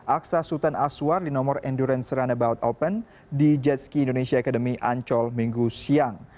aksa sultan aswar di nomor endurance runabout open di jetski indonesia academy ancol minggu siang